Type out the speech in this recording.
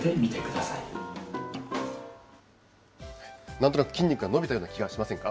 なんとなく筋肉が伸びたような気がしませんか。